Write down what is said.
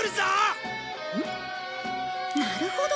なるほど！